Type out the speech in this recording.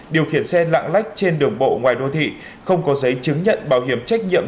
điều khiển xe lạng lách trên đường bộ ngoài đô thị không có giấy chứng nhận bảo hiểm trách nhiệm